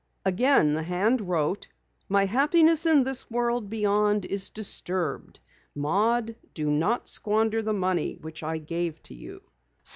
Again the hand wrote: "My happiness in this world beyond is disturbed. Maud, do not squander the money which I gave to you."